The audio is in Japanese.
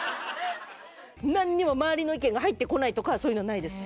何にも周りの意見が入ってこないとかそういうのないです